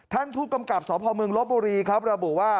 ท่านผู้กำกับสพเมืองลบบุรีครับระบุว่า